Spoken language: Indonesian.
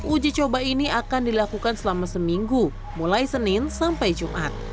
uji coba ini akan dilakukan selama seminggu mulai senin sampai jumat